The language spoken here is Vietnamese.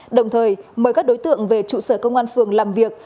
đồng thời mời các đối tượng về trụ sở công an phường làm việc